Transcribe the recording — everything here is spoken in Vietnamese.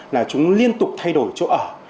là chúng liên tục thay đổi chỗ ở